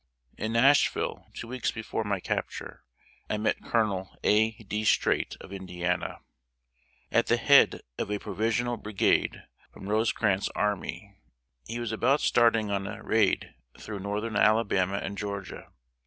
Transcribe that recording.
In Nashville, two weeks before my capture, I met Colonel A. D. Streight, of Indiana. At the head of a provisional brigade from Rosecrans's army, he was about starting on a raid through northern Alabama and Georgia.